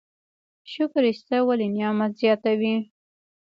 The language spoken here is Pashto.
شکر ایستل ولې نعمت زیاتوي؟